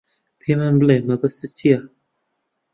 پێمان بڵێ مەبەستت چییە.